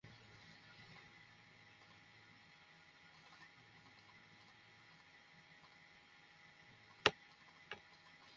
আমি তোমার পরামর্শ চাইনি, ইকারিস।